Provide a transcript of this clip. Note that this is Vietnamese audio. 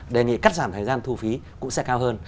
đề nghị cắt giảm thời gian thu phí cũng sẽ cao hơn